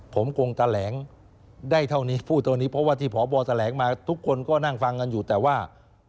ผมคงแถลงได้เท่านี้พูดเท่านี้เพราะว่าที่พบแถลงมาทุกคนก็นั่งฟังกันอยู่แต่ว่า